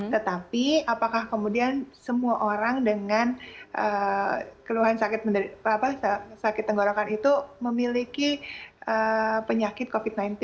tetapi apakah kemudian semua orang dengan keluhan sakit tenggorokan itu memiliki penyakit covid sembilan belas